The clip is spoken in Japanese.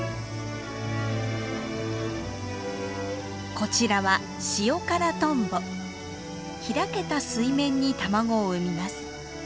こちらは開けた水面に卵を産みます。